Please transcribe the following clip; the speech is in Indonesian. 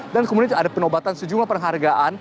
dan kemudian ada penobatan sejumlah perhargaan